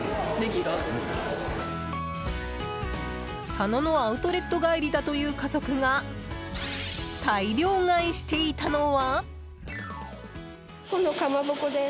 佐野のアウトレット帰りだという家族が大量買いしていたのは？